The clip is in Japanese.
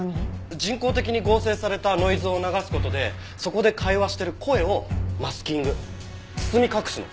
人工的に合成されたノイズを流す事でそこで会話してる声をマスキング包み隠すの。